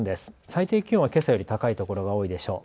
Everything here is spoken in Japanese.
最低気温はけさより高い所が多いでしょう。